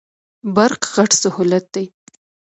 برق غټ سهولت دی.